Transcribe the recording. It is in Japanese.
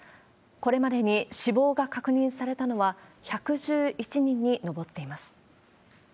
これまでに死亡が確認されたのは、１１１人に上っています。